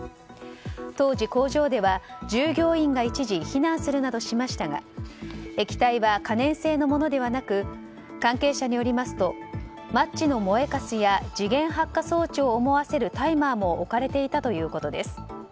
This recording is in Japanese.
当時、工場では従業員が一時避難するなどしましたが液体は可燃性のものではなく関係者によりますとマッチの燃えカスや時限発火装置を思わせるタイマーも置かれていたということです。